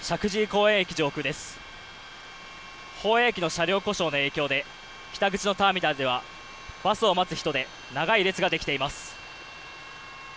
公園駅の車両故障の影響で北口のターミナルではバスを待つ人で長い列ができています。